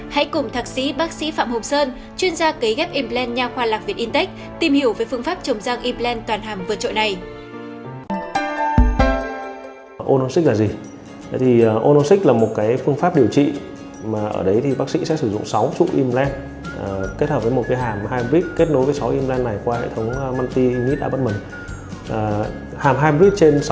hãy cùng thạc sĩ bác sĩ phạm hồng sơn chuyên gia kế ghép implant nhà khoa lạc việt intex